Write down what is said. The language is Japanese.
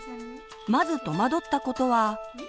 まず戸惑ったことは。